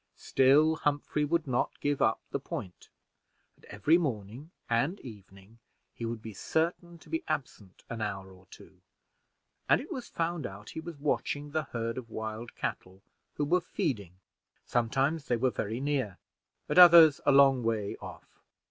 Still Humphrey would not give up the point, and every morning and evening he would be certain to be absent an hour or two, and it was found out he was watching the herd of wild cattle who were feeding: sometimes they were very near, at others a long way off.